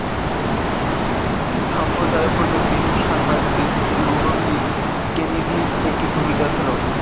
সম্প্রচারের পূর্বে ব্রিটিশ সাংবাদিক লুডোভিক কেনেডির একটি ভূমিকা ছিল।